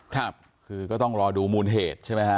ครับคือก็ต้องรอดูมูลเหตุใช่ไหมฮะ